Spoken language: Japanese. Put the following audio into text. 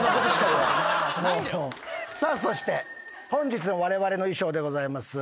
そして本日のわれわれの衣装でございます。